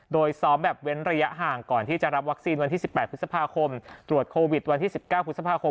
โดยซ้อมแบบเว้นระยะห่างก่อนที่จะรับวัคซีนวันที่๑๘พฤษภาคมตรวจโควิดวันที่๑๙พฤษภาคม